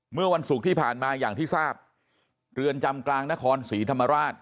เมื่อวันศุกร์ที่ผ่านมาอย่างที่ทราบเรือนจำกลางนครศรีธรรมราช